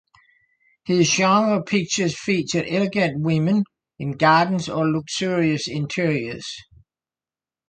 His genre pictures featured elegant women in gardens or luxurious interiors.